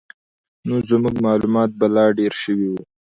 نو زموږ معلومات به لا ډېر شوي وو.